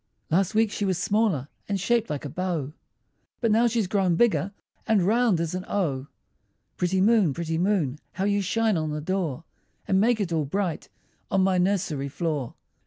Last week she was smaller, And shaped like a bow; But now she's grown bigger, And round as an O. Pretty moon, pretty moon, How you shine on the door, And make it all bright On my nursery floor!